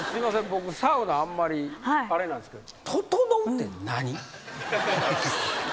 僕サウナあんまりあれなんですけど。